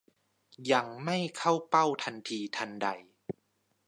ยังไม่เข้าเป้าทันทีทันใด